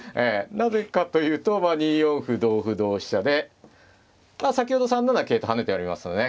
なぜかと言うと２四歩同歩同飛車で先ほど３七桂と跳ねてありますのでね。